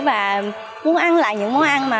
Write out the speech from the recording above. và muốn ăn lại những món ăn